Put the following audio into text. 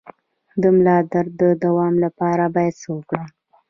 د ملا درد د دوام لپاره باید څه وکړم؟